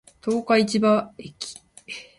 十日市場駅